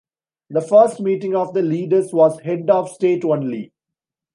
The first meeting of the leaders was head of state only.